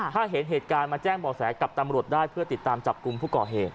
ถ้าเห็นเหตุการณ์มาแจ้งบ่อแสกับตำรวจได้เพื่อติดตามจับกลุ่มผู้ก่อเหตุ